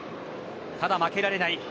ただ、負けられない。